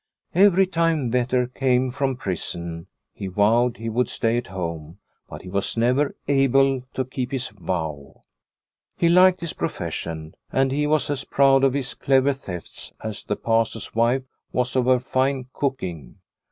Every time Vetter came from prison he vowed he would stay at home, but he was never able to keep his vow. He liked his profession, and he was as proud of his clever thefts as the Pastor's wife was of her fine cooking.